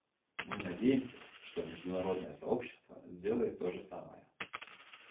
Мы надеемся, что международное сообщество сделает то же самое.